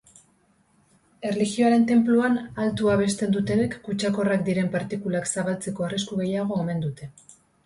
Erlijioaren tenpluan altu abesten dutenek kutsakorrak diren partikulak zabaltzeko arrisku gehiago omen dute.